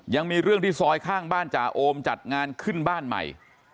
ยังมีเรื่องที่ซอยข้างบ้านจ่าโอมจัดงานขึ้นบ้านใหม่